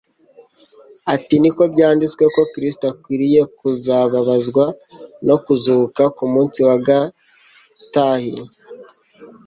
ati : niko byanditswe ko Kristo akwiriye kuzababazwa no kuzuka ku munsi wa gatahi,